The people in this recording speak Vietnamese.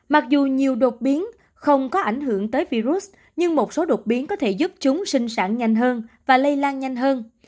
mặc dù nhiều đột biến không có ảnh hưởng tới virus nhưng một số đột biến có thể giúp chúng sinh sản nhanh hơn và lây lan nhanh hơn